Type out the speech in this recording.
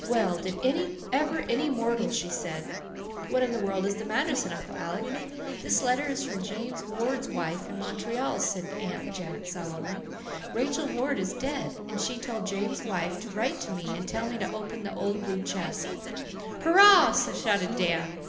"Well, did ever any mortal!" she said. "What in the world is the matter?" said Uncle Alec. "This letter is from James Ward's wife in Montreal," said Aunt Janet solemnly. "Rachel Ward is dead. And she told James' wife to write to me and tell me to open the old blue chest." "Hurrah!" shouted Dan.